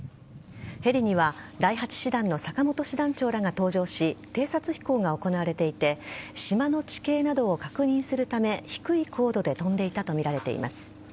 ヘリには第８師団の坂本師団長らが搭乗し偵察飛行が行われていて島の地形などを確認するため低い高度で飛んでいたとみられます。